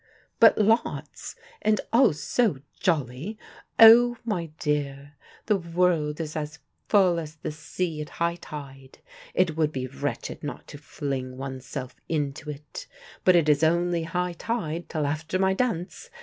"But lots, and all so jolly. Oh, my dear, the world is as full as the sea at high tide. It would be wretched not to fling oneself into it. But it is only high tide till after my dance.